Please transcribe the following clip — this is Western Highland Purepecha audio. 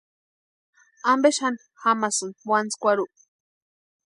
¿Ampe xani jamasïnki puantskwarhu?